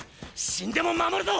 死んでも守るぞ！